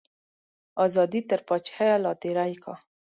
ازادي تر پاچاهیه لا تیری کا.